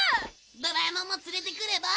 ドラえもんも連れてくれば？